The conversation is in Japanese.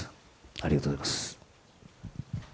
ありがとうございます。